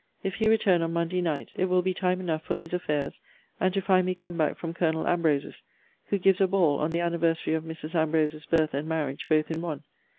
If he return on Monday night, it will be time enough for his affairs, and to find me come back from Colonel Ambrose's; who gives a ball on the anniversary of Mrs. Ambrose's birth and marriage both in one.